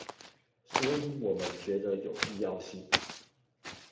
所以我們覺得有必要性